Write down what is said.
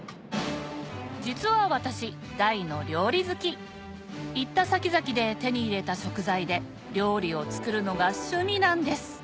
実は私大の料理好き行った先々で手に入れた食材で料理を作るのが趣味なんです